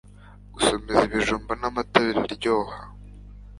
Gusomeza ibijumba amata biraryoha